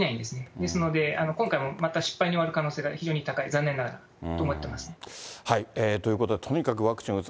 ですので、今回もまた失敗に終わる可能性が非常に高い、残念ながら、と思っということで、とにかくワクチンを打つ。